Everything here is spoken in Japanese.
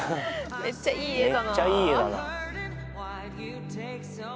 めっちゃいい絵だな。